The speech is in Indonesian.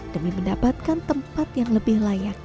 demi mendapatkan tempat yang lebih layak